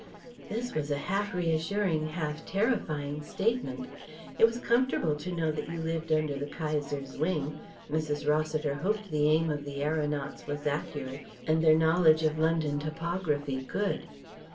This was a half reassuring, half terrifying statement. It was comfortable to know that you lived under the Kaiser's wing Mrs. Rossiter hoped the aim of the aeronauts was accurate, and their knowledge of London topography good.